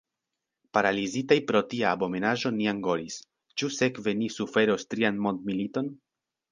Paralizitaj pro tia abomenaĵo ni angoris: ĉu sekve ni suferos trian mondmiliton?